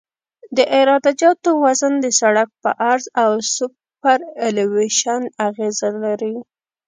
د عراده جاتو وزن د سرک په عرض او سوپرایلیویشن اغیزه لري